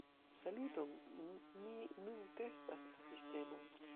Saluton, mi nun testas la sistemon.